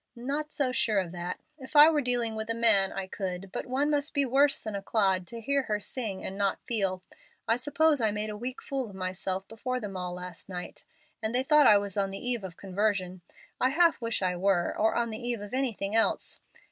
Not so sure of that. If I were dealing with a man I could, but one must be worse than a clod to hear her sing and not feel. I suppose I made a weak fool of myself before them all last night, and they thought I was on the eve of conversion. I half wish I were, or on the eve of anything else.